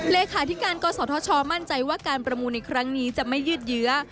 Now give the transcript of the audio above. เลขาธิการกศธชมั่นใจว่าการประมูลในครั้งนี้จะไม่ยืดเยื้อ